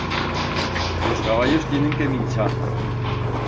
Los caballos tienen que minchar.